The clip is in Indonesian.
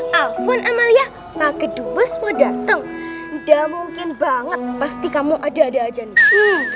nah alphonse amalia kakek dukes mau dateng udah mungkin banget pasti kamu ada ada aja nih